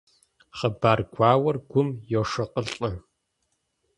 Хъыбар гуауэр гум йошыкъылӀэ.